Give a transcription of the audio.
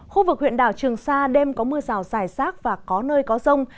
khu vực huyện đảo trường sa đêm có mưa rào rải rác và có nơi có rông